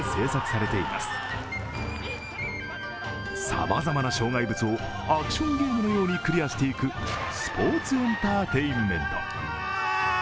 さまざまな障害物をアクションゲームのようにクリアしていくスポーツエンターテインメント。